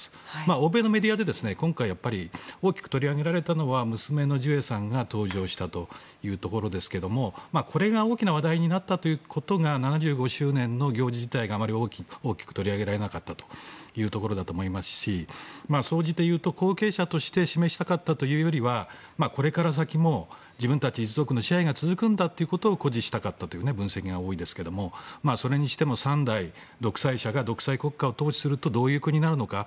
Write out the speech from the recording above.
欧米のメディアで今回大きく取り上げられたのは娘のジュエさんが登場したというところですけれどもこれが大きな話題になったことが７５周年の行事自体があまり大きく取り上げられなかったということだと思いますし総じていうと後継者として示したかったというよりはこれから先も、自分たち一族の支配が続くということを誇示したかったという分析が多いですけどそれにしても、３代独裁者が独裁国家を統治するとどういう国になるのか。